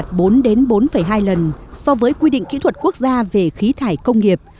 chỉ số bụi đã vượt một chín lần so với quy định kỹ thuật quốc gia về khí thải công nghiệp